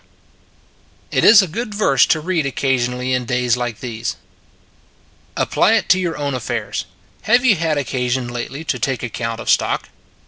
34 It s a Good Old World It is a good verse to read occasionally in days like these. Apply it to your own affairs. Have you had occasion lately to take account of stock?